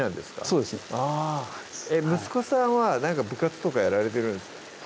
そうです息子さんは部活とかやられてるんですか？